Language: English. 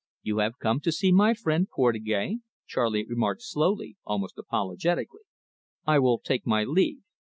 "You have come to see my friend Portugais," Charley remarked slowly, almost apologetically. "I will take my leave."